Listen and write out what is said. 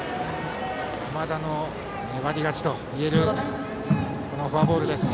山田の粘り勝ちといえるフォアボールです。